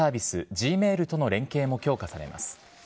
・Ｇｍａｉｌとの連携も強化されます。